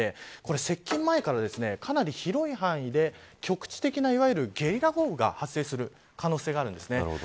接近前から、かなり広い範囲で局地的なゲリラ豪雨が発生する可能性があるんです。